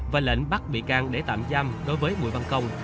và lệnh bắt bị can để tạm giam đối với bùi văn công